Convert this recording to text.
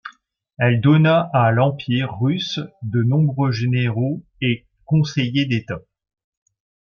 Elle donna à l'Empire russe de nombreux généraux et conseillers d'État.